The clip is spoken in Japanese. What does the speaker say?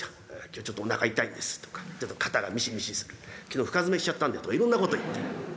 今日ちょっとおなか痛いんですとかちょっと肩がミシミシする昨日深爪しちゃったんでとかいろんなこと言ってる。